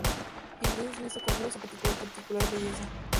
Y gracias a eso conservan su particular belleza..